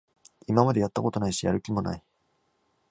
今までやったことないし、やる気もない